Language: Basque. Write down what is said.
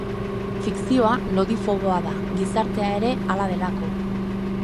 Fikzioa lodifoboa da, gizartea ere hala delako